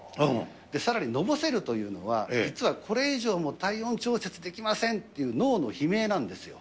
さらにのぼせるというのは、実はこれ以上、もう体温調節できませんっていう脳の悲鳴なんですよ。